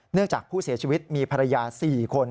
จากผู้เสียชีวิตมีภรรยา๔คน